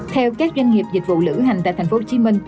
theo các doanh nghiệp dịch vụ lữ hành tại tp hcm